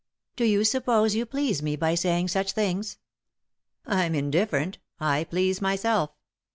"Do you suppose you please me by saying such things ?" "I'm indifferent— I please myself.